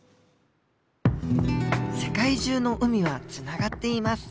世界中の海はつながっています。